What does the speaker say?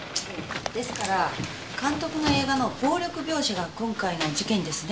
ですから監督の映画の暴力描写が今回の事件に。